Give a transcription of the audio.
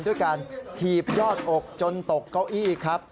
ด้วยการถีบยอดอกจนตกเก้าอี้ครับ